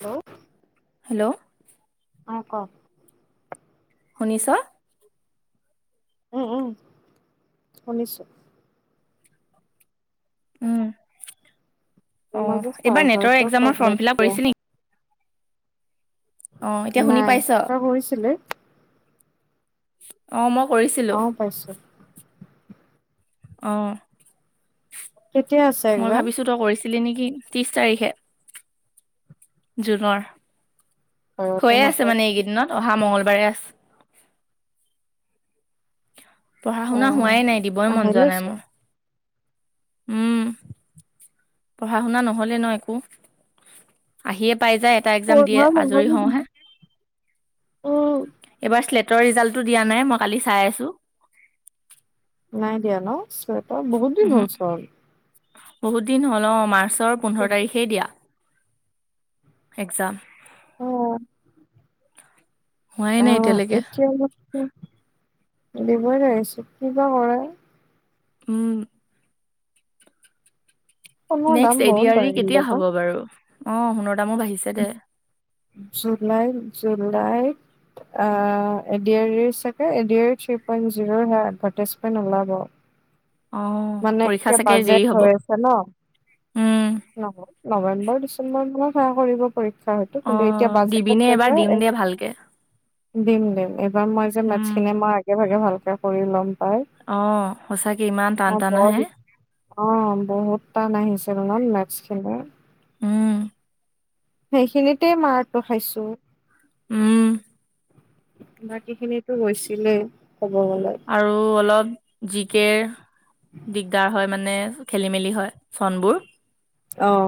Hello hello. অ' ক। শুনিছ? উম উম শুনিছোঁ। উম, অ' তোমাৰ যে এইবাৰ নেটৰ চাৰ্ভাৰটো একজামৰ প্ৰব্লেম ফৰ্ম ফিলআপ দিয়ে কৰিছে নেকি? অ' এতিয়া শুনি নাই পাইছ? তই কৰিছিলি অ মই কৰিছিলো। অ পাইছো অ'। কেতিয়া আছে একজাম? ছিলে নেকি? ত্ৰিশ তাৰিখে, জুনৰ। ঘৰতে হৈয়ে আছে নকয় মানে এইকেইদিনত। অহা মঙ্গলবাৰে আছে। অ পঢ়া-শুনা হোৱাই নাই, দিবই মন যোৱা আহিলে নাই চোন মোৰ। উম পঢ়া-শুনা নহ'লে ন একো! আহিয়ে পাই যায়, এটা একজাম দিয়ে পোন্ধৰ আজৰি নম্বৰটো দি হওঁহে। উম এইবাৰ শ্লেট ৰিজাল্টটো দিয়া নাই, মই কালি চাই আছো। নাই দিয়া ন চুৱেটাৰ? বহুত দিন উহু হ'ল চল। বহুত দিন হ'ল, অ' মাৰ্চৰ পোন্ধৰ তাৰিখেই দিয়া একজাম। অ'। হোৱাই নাই অ' এতিয়ালৈকে এতিয়া দিবই নোৱাৰিছোঁ। কিবা কৰে? উম। সোণৰ দাম নেক্সট এডি বহুত আৰি বাঢ়িলে কেতিয়া ন হ'ব বাৰু অ সোণৰ দামো বাঢ়িছে দে জুলাই, জুলাই। আ এ-ডি-আৰ-ইৰ চাগে। এ-ডি-আৰ-ই থ্ৰী পইন জিৰ'ৰ সেইয়া এটভেটাইজমেন ওলাব। অ', মানে পৰীক্ষা এতিয়া চাগে বাজেট দেৰি হ'ব। হৈ আছে ন? উম, ন- নৱেম্বৰ ডিচেম্বৰ মানত সেয়া কৰিব। পৰীক্ষা হয়তো, কিন্তু এতিয়া অ', বাজেট দিবিনে আছে এবাৰ যে দিম দে ভালকে। দিম দিম। এইবাৰ মই যে উম, মেটছখিনি মই আগে-ভাগে ভালকে কৰি ল'ম। পাই। অ' সঁচাকে ইমান টান মই ব টান আহে। অ' বহুত টান আহিছিল ন মেটছখিনি? উম। সেইখিনিতে মাৰটো খাইছো। উম। বাকীখিনিতো হৈছিলেই। আৰু অলপ জি কেৰ দিগদাৰ হয় মানে খেলি মেলি হয় চনবোৰ আহ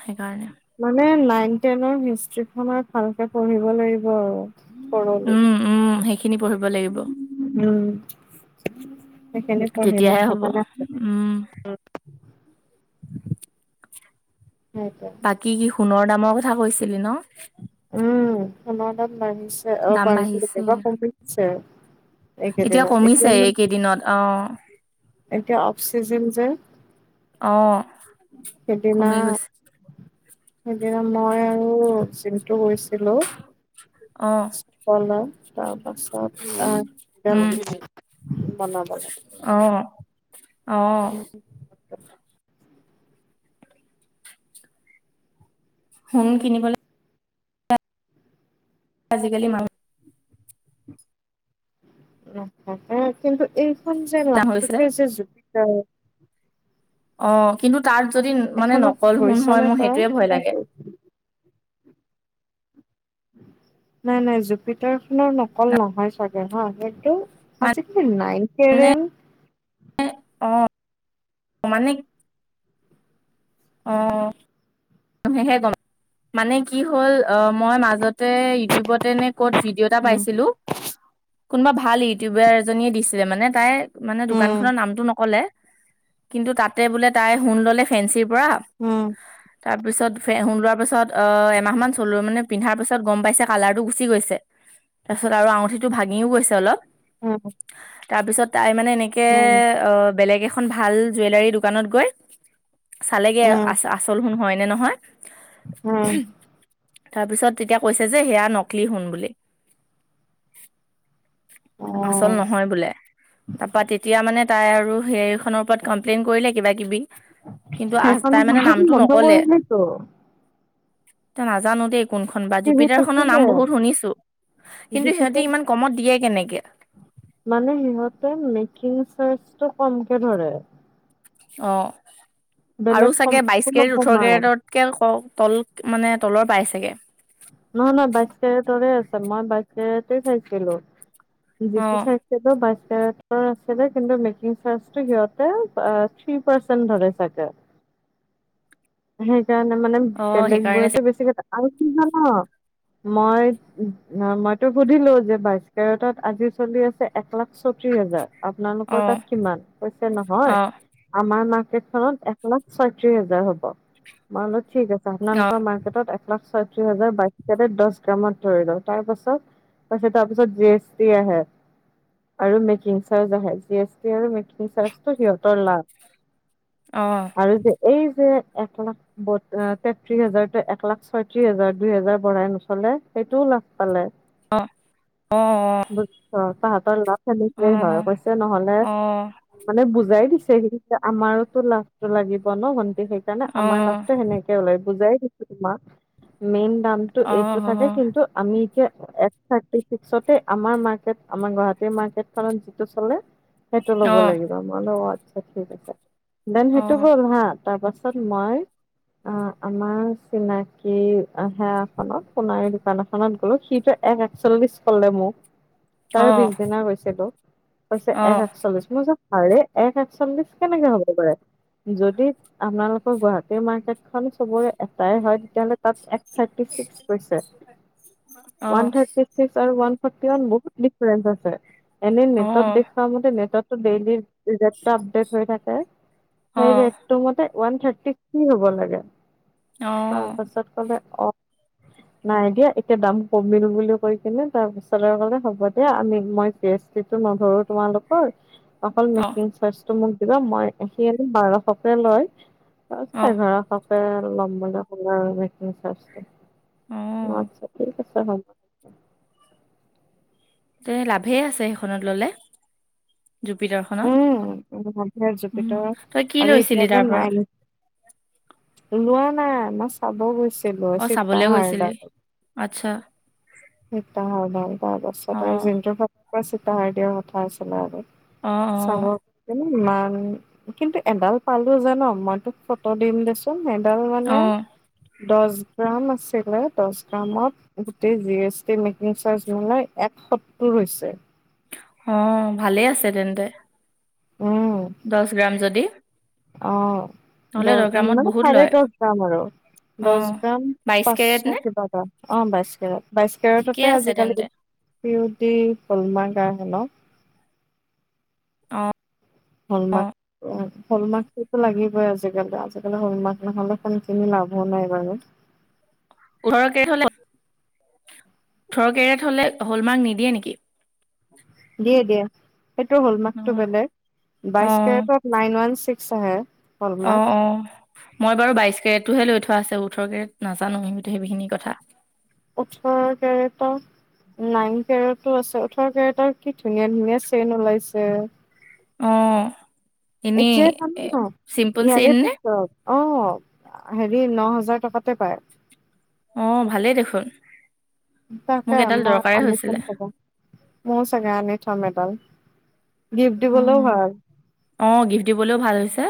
সেইকাৰণে। মানে নাইন টেনৰ হিষ্ট্ৰি খনৰ ভালকে পঢ়িব লাগিব আৰু উম, উম, সেইখিনি পঢ়িব লাগিব [unintelligible] সেইখনি পঢ়িলে তেতিয়াহে হ'ব। ভালকে উম, সেইটোৱে বাকী কি সোণৰ দামৰ কথা কৈছিলি ন। উম সোণৰ দাম বাঢ়িছে অ বাঢ়িছে বোলে কমিছে। এইকেইদিনত কমিছে এতিয়া এইকেইদিনত অ', এতিয়া অফচিজন যে। অহ সেইদিনা কমি গৈছে। সেইদিনা মই আৰু চিমটো গৈছিলোঁ। অ কলা তাৰপাছত আহ উম [unintelligible] বনাবলে অ। অঁ। সোণ কিনিবলে আজিকালি মানুহ কিন্তু এই সোন যে দাম হৈছে লাগততে যে জুবিতাৰ অ কিন্তু তাত যদি মানে নকল সোণ হয় গৈছনে মোৰ সেইটোয়ে ভয় লাগে। তই? [inaudible] নাই নাই জুপিটাৰ খনৰ নকল নহয় চাগে হা, সেইটো আজিকালি নাই মানে [unintelligible] অ মানে অহ। হে গম মানে কি হ'ল অ মই মাজতে ইউটিউবতেনে ক'ত ভিডিঅ' এটা উম পাইছিলো, কোনোবা ভাল ইউটিউবাৰ এজনীয়ে দিছিলে, মানে তাই মানে দোকান উম খনৰ নামটো নকলে, কিন্তু তাতে বোলে তাই সুণ ললে ফেঞ্চিৰ বৰা উম ত পিছতে শুনোৱাৰ পিছত অ এমাহ মান চলো মানে পিন্ধাৰ পিছত গম পাইছে কালাৰ টো গুচি গৈছে। তাৰপিছত আৰু আঙুঠিটো ভাঙিও গৈছে অলপ। উম। তাৰপিছত তাই মানে এনেকে বেলেগ এখন ভাল জুৱেলাৰী দোকানত গৈ, চালেগে উম উম আ আচল সোন হয় নে নহয়। উম। তাৰ পিছত তেতিয়া কৈছে যে সেয়া নকলি সোন বুলি। অ আচল নহয় বোলে। তাৰপা তেতিয়া মানে তাই আৰু হে খনৰ ওপৰত কমপ্লেইন কৰিলে কিবা কিবি। কিন্তু আচতাই মানে নামটো ন- নকৰিলে কিয়। এয়া নাজানো দেই কোনখন বা টিভিত জুপিতাৰ খনৰ দিছিলে নাম বহুত শুনিছো। কিন্তু জুপিটাৰ সিহঁতে ইমান কমত দিয়ে কেনেকে। মানে সিহঁতে মেকিং চাৰ্জ কমকে ধৰে। অ আৰু বেলেগ কম চাগে বাইশ কোনো কেৰেট, ওঠৰ কমাই কেৰেটতকে কও তল মানে তলৰ পাই চাগে। নহয় নহয় বাইশ কেৰেটৰে আছে মই বাইশ কেৰেট চাইছিলো। যিটো অ' চাইছে কেৰেটৰ আছিলে কিন্তু মেকিং চাৰ্ছ টো সিহঁতে আ থ্ৰী পাৰ্চেন্ট ধৰে চাগে সেইকাৰণে মানে অ' বেলেগ সেইকাৰণে বোতো বেছিকে আৰু কি জান মই মইতো সুধিলো যে বাইশকেৰেটত আজি চলি আছে এক লাখ চ- আপোনালোকৰ অ' তাত কিমান ক নহয়, আমাৰ ন ত এক লাখ ছয়ত্ৰিশ হাজাৰ হ'ব, মানে ঠিক আছে। আপোনালোকৰ মাৰ্কেটত এক লাখ ছয়ত্ৰিশ হাজাৰ বাইশ দহ গ্ৰামত ধৰি লওঁ, তাৰ পাছত পছে তাৰপিছত জেষ্ঠ্ দি আহে আৰু মেকিং চাৰ্জ আহে। জি এছ টি আৰু মেকিং চাৰ্জটো সিহঁতৰ লাভ। আৰু যে এই যে, এক লাখ তেত্ৰিশ হাজাৰত এক লাখ ছয়ত্ৰিশ হাজাৰ দুই হোজাৰ বঢ়াই নচলে, সেইটো পালে। অহ অ অ। বুজিছ লাভ তাহাঁতৰ [unintelligible] হয়, অৱশ্যে নহলে মানে বুজাই দিছে। আমাৰোতো লাভটো লাগিব ন, ভণ্টি সেইকাৰণে আমাৰ লাভটো সেনেকে ওলাই বুজাই। ক মেইন দামটো এইটো থাকে কিন্তু আমি এতিয়া এক থাৰ্টি ছিক্সতে আমাৰ মাৰ্কট আমাৰ গুৱাহাটীৰ মাৰ্কেটখনত যিটো চলে। সেইটো ল'ব লাগিব মই বোলো আচ্ছা ঠিক আছে দেন সেইটো গ'ল হা তাৰ পাছত তাৰছত মই অ, আমাৰ চিনাকি সেখনত সোণাৰী দোকান এখনত গ'লো সিটোৱে এক একচল্লিশ কলে মোক। তাৰ পিছ দিনা গৈছিলো হৈছে এক এচল্লিশ মোৰ যে আৰু এক একচাম্লিছ কেনেকে হব পাৰে যদি আপোনালোকৰ গুৱাহাটীৰ মাৰ্কেট খন চবৰে এটাই হয় তেতিয়াহ'লে তাত থাৰ্টি চিকচ কৈছে। ৱান থাৰ্টি চিকচ আৰু ৱান বহুত ডিফ আছে এনে নেটত দেখ মতে নেটত দেলী দিজেন টো আপডেট হৈ থাকে, হে ৰেট টো মতে ওৱান থাৰ্টি থ্ৰী হ'ব লাগে তাৰপাছত [inaudible] নাই দিয়া এতিয়া দাম কমিল বুলি কৈ কিনে তাৰ পিছলৈ কলে হ'ব দিয়া আমি মই চি এ টো নধৰো তোমালোকৰ অকল অঁ মেকিং চাৰ্জটো মোক দিবা মই আহি আনি বাৰশকে লয়। অঁ ঘৰৰ সকে ল'ম বুলি সোণৰ বস্তু অঁ চাইছিলো আচ্ছা ঠিক আছে। তে লাভেই আছে সেইখনত ললে। জুপিটাৰ খনত উম ল, মে উম জুপিত তই কি আৰু লৈছিলি এতিয়া যে তাৰ পৰা নাই। লোৱা নাই আমই চাব গৈছিলো অ চাবলে গৈছিলি চিতাহাৰডাল আচ্ছা সতাহাৰ ভাল তাৰ অ পাছত আৰু যোনটোৰ ফালৰ পৰা চিতাহাৰ দিয়াৰ কথা আছিলে আৰু। অ চাব অ কিন্তু ইমান কিন্তু এডাল পালো জান মই তোক ফটো দিম দেচোন স মানে অ দোষ গ্ৰাম আছিলে, দশ গ্ৰাম ত ট মেকিং চৰ্চা নলয়, এক টপ টো হৈছে। অ, ভালেই আছে তেন্তে। উম দহ গ্ৰাম যদি। অ, নহ'লে দহ উম, গ্ৰামত মানে বহুত চাৰে লয় দহ দাম আৰু। অ দহ গ্ৰাম বাইশ কেৰেট পাঁচশ নে কিবা এটা অ বাইশ কেৰেট বাইশ ঠিকে কেৰেটতো আছে তেন্তে আজিকালি প্ৰয়ট হলমা গা হে ন [unintelligible] অ হল অ মাৰ্ক - হল মাৰ্কতুটো লাগিব। আজিকালি - আজিকালি হল হলমাক নহলে সোনকিনি লাভো নাই বাৰু। ওঠৰ কেৰেট হলে ওঠৰ কেৰিয়াত হলে হল মাৰ্ক নিদিয়ে নেকি? দিয়ে - দিয়ে সেইটো অ হলমাৰ্কটো বেলেগ অ বাই কেট নাইন ৱান চি ছ হে [unintelligible] অ - অ মই বাৰু বাইশ কেট টোহে লৈ থোৱা আছে ওঠৰকে নাজানো সিতো সেইখিনি কথা। উঠৰ কেৰেটৰ। নাইন কেৰেটটো আছে ওঠৰ কেৰেটৰ কি ধুনীয়া ধুনীয়া চেইন ওলাইছে অ এনে এতিয়াই পাম ন চিম্পল ইয়াৰে চেইন নে পিছত অ, হেৰি ন হাজাৰ টকাতে পায়। অ ভালেই দেখোন তাকা মোক এডাল মই দৰকাৰে আমি হৈছিলে চকা মোৰ চাগে আনি থম এডাল। গিফ্ট দিবলৈও উম, ভাল অহ, গিফ্ট দিবলৈও ভাল হৈছে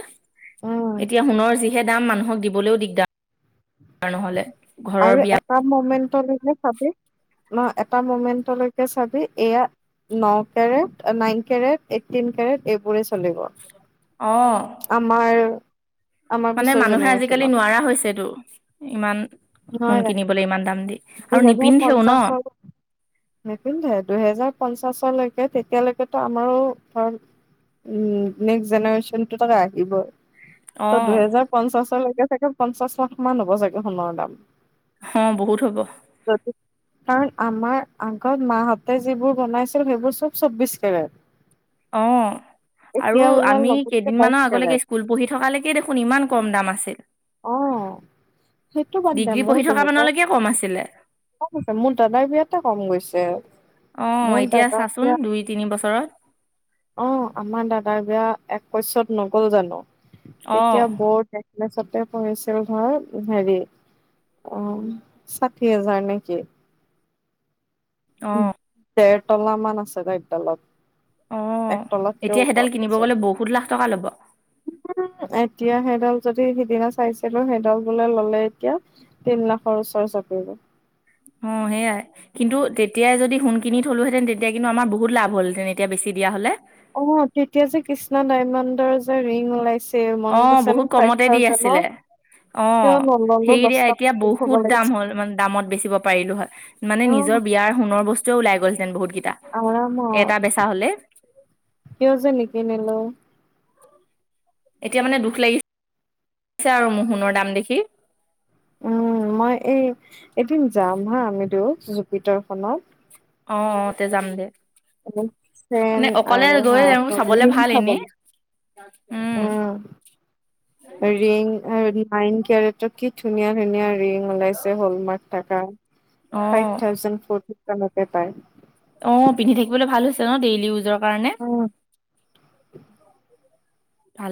উম এতিয়া সোণৰ যি সেই দাম মানুহক দিবলৈও দিগদাৰ নহ'লে। ঘৰৰ আৰু বিয়া এটা মমেণ্টলৈকে চাবি নহ এটা মমেন্টলৈকে চাবি এয়া ন carat nine carat eighteen carat এইবোৰে চলিব অ আমাৰ আমাৰ মানে পিছৰ মানুহে আজিকালি জেনেৰেশ্যনত নোৱাৰা হৈছেতো ইমান নহয় সোণ কিনিবলৈ ইমান দাম দি আৰু দুহেজাৰ নিপিন্ধেও ন পঞ্চাশৰ নিপিন্ধে দুহেজাৰ পঞ্চাশলৈকে তেতিয়ালৈকেতো আমাৰো ধৰ উম, নেক্স জেনেৰেশ্যনটো তহ আহিব। ত, অ দুহেজাৰ পঞ্চাশলৈকে চাগে পঞ্চাশ লাখ মান হব চাগে সোণৰ দাম। অহ বহুত হব যদি কাৰণ আমাৰ আগত মাহতে যিবোৰ বনাইছিল সেইবোৰ চব চৌবিশ কেৰেট। অ', আৰু এতিয়া ওলাল আমি নতুনকে বাইশ কেইদিনমানৰ আগলৈকে কেৰেট স্কুল পঢ়ি থকালৈকে দেখোন ইমান কম দাম আছিল। অ সেইটো বাদ দে ডিগ্ৰী মোৰ পঢ়ি থকা দুহেজাৰ মানলৈকে কম আছিলে। কম আছে মোৰ দাদাৰ বিয়াতে কম গৈছে অ, মোৰ এতিয়া দাদাৰ চাচোন বিয়া দুই তিনি বছৰত অ, আমাৰ দাদাৰ বিয়া এক পচত নগল জানো অঁ তেতিয়া বৰ তছতে পঢ়িছিল ধৰ হেৰি অ, ষাঠি হাজাৰ নেকি? অঁ দেৰ তলামান আছে গতলত অঁ এক তলতকে এতিয়া সেইডাল কিনিব গ'লে বহুত লাখ টকা ল'ব ওপৰত এতিয়া সেইডাল যদি সিদিনা চাইছিলো সেইডাল বোলে ললে এতিয়া তিন লাখৰ ওচৰ চাপিব [inaudible] অ সেয়াই কিন্তু তেতিয়াই যদি সোণ কিনি থলোঁহেতেন তেতিয়া কিন্তু আমাৰ বহুত লাভ হলহেঁতেন এতিয়া বেছি দিয়া হ'লে অ তেতিয়া যে কৃষ্ণা ডায়মণ্ডৰ যে ৰিং ওলাইছে মনত আছেনে ফাইভ থাউজেণ্ডত অ সেইয়া এতিয়া থ'ব বহুত দাম লাগিছিল। হ'ল মান দামত বেচিব পাৰিলো হয় মানে নিজৰ অ', বিয়াৰ সোণৰ বস্তুৱও ওলাই গৈছিল। আৰমত হলে কিয় যে নিকিনিলো। এতিয়া মানে দুখ লাগিছে আৰু মোৰ সোনৰ দাম দেখি [unintelligible] উম মই এই এদিন যাম হা আমি দুয়ো জুপিটাৰখনত অ - অ যাম দে। চেন মানে অকলে আৰু গৈ হা চাবলে ৰিং ভাল এনেই চাবলে উম, ৰিং আইন কেৰেটত কি ধুনীয়া ধুনীয়া ৰিং ওলাইছে হলমাৰ্ক থকা অ ফাইভ থাউজেণ্ড ফৰ্ট কে কমতে পায় অহ, পিন্ধি থাকিবলৈ ভাল হৈছে ন ডেইলি ইউজৰ কাৰণে উম। ভাল